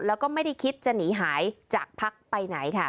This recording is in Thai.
แล้วก็ไม่ได้คิดจะหนีหายจากพักไปไหนค่ะ